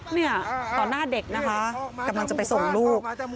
เนี่ยต่อหน้าเด็กนะคะกำลังจะไปส่งลูก